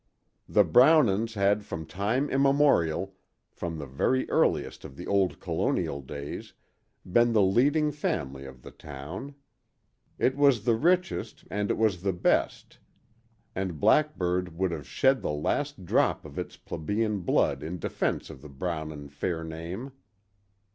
The Brownons had from time immemorial—from the very earliest of the old colonial days—been the leading family of the town. It was the richest and it was the best, and Blackburg would have shed the last drop of its plebeian blood in defense of the Brownon fair fame.